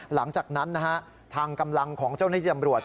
หลังจากนั้นนะฮะทางกำลังของเจ้าหน้าที่ตำรวจ